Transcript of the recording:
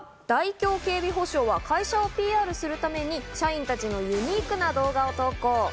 こちら、大京警備保障は会社をＰＲするために社員たちのユニークな動画を投稿。